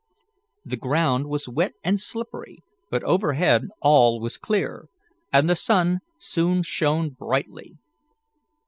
The ground was wet and slippery, but overhead all was clear, and the sun soon shone brightly.